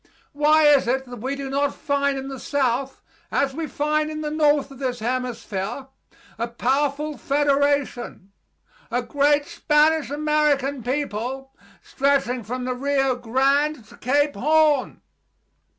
Why is it that we do not find in the south as we find in the north of this hemisphere a powerful federation a great Spanish American people stretching from the Rio Grande to Cape Horn?